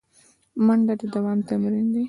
منډه د دوام تمرین دی